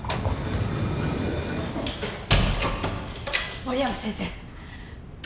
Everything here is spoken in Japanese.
森山先生！